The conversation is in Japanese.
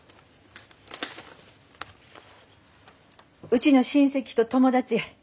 うちの親戚と友達。